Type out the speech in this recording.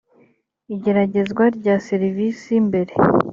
igeragezwa rya serivisi mbere